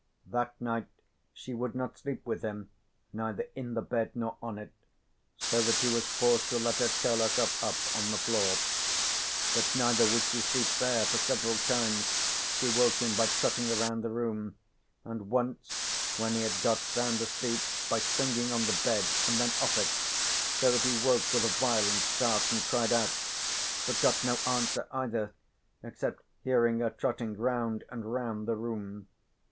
That night she would not sleep with him, neither in the bed nor on it, so that he was forced to let her curl herself up on the floor. But neither would she sleep there, for several times she woke him by trotting around the room, and once when he had got sound asleep by springing on the bed and then off it, so that he woke with a violent start and cried out, but got no answer either, except hearing her trotting round and round the room.